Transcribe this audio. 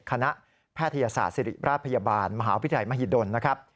คณะแพทยศาสตร์ศิริราชพยาบาลมหาวิทยาลัยมหิดลนะครับ